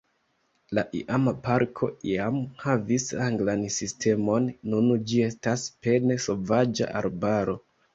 La iama parko iam havis anglan sistemon, nun ĝi estas pene sovaĝa arbaro.